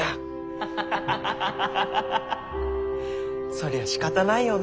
そりゃしかたないよね。